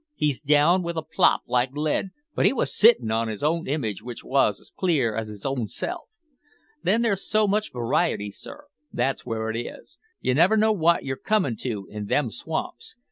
he's down with a plop like lead, but he wos sittin' on his own image which wos as clear as his own self. Then there's so much variety, sir that's where it is. You never know wot you're comin' to in them swamps.